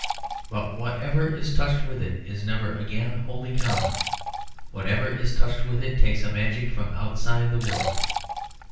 But whatever is touched with it is never again wholly common; whatever is touched with it takes a magic from outside the world.